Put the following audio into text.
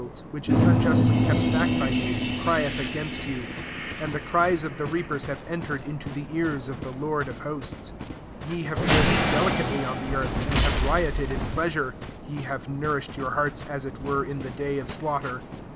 4 Behold, the hire of the labourers who have reaped your fields, which * is unjustly kept back by you, crieth against you : and the cries of the reapers have entered into the ears of the Lord of hosts. 5 Ye have lived delicately on the earth, and have rioted in pleasure ; ye have nourished your hearts, as it were in the day of slaughter.